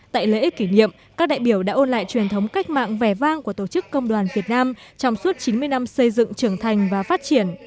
tại lễ kỷ niệm các đại biểu đã ôn lại truyền thống cách mạng vẻ vang của tổ chức công đoàn việt nam trong suốt chín mươi năm xây dựng trưởng thành và phát triển